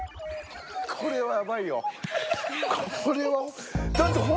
これはやばいよ。